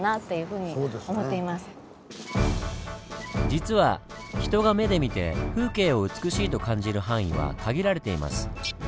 実は人が目で見て風景を美しいと感じる範囲は限られています。